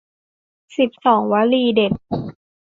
สิบสอง วลีเด็ด